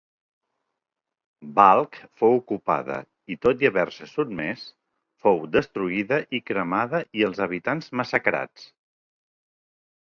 Balkh fou ocupada i tot haver-se sotmès, fou destruïda i cremada i els habitants massacrats.